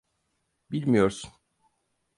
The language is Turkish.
Bilmiyorsun.